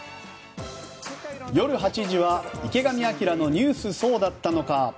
夜８時は「池上彰のニュースそうだったのか！！」。